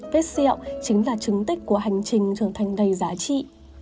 vết xẹo chính là chứng tích của hành trình trở thành đầy giá trị